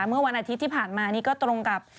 เมื่อวันอาทิตย์ที่ผ่านมานี่ก็ตรงกับ